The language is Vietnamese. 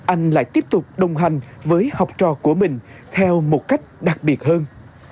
anh lại tiếp tục đồng hành với học trò của mình theo một cách đặc biệt hơn